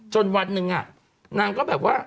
วันหนึ่งนางก็แบบว่า